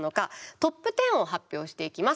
トップ１０を発表していきます。